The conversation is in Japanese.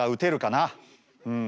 うん。